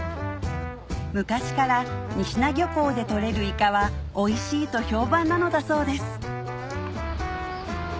昔から仁科漁港で取れるイカはおいしいと評判なのだそうです